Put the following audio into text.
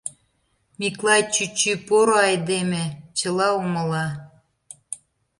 — Миклай чӱчӱ — поро айдеме, чыла умыла.